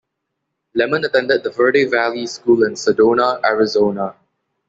Lemmon attended the Verde Valley School in Sedona, Arizona.